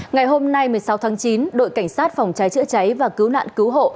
ngày hôm nay một mươi sáu tháng chín đội cảnh sát phòng cháy chữa cháy và cứu nạn cứu hộ